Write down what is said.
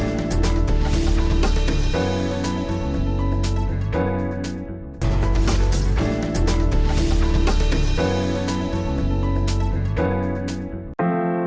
terima kasih banyak